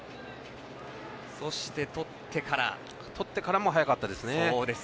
とってからも早かったですね。